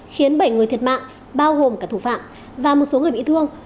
khiến bảy người thiệt mạng bao gồm cả thủ phạm và một số người bị thương